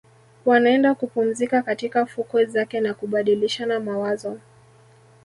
Wanaenda kupumzika katika fukwe zake na kubadilishana mawazo